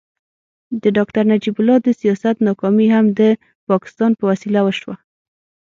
د ډاکټر نجیب الله د سیاست ناکامي هم د پاکستان په وسیله وشوه.